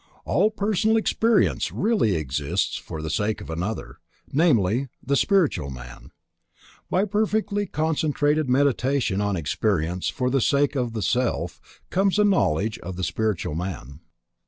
All personal experience really exists for the sake of another: namely, the spiritual man. By perfectly concentrated Meditation on experience for the sake of the Self, comes a knowledge of the spiritual man.